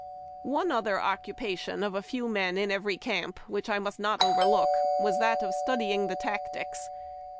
One other occupation of a few men in every camp, which I must not overlook, was that of studying the tactics.